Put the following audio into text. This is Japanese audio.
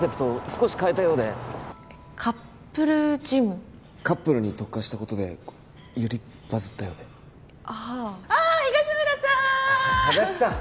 少し変えたようでカップルジムカップルに特化したことでよりバズったようではあああ東村さん足立さん